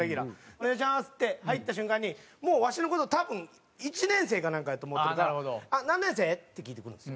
「お願いします！」って入った瞬間にもうわしの事多分１年生かなんかやと思ってるから「何年生？」って聞いてくるんですよ。